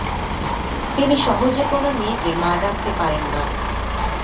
তিনি সহজে কোনো মেয়েকে মা ডাকতে পারেন না।